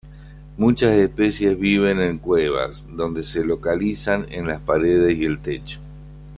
Muchas especies viven en cuevas, donde se localizan en las paredes y el techo.